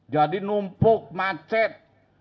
jadi numpuk macet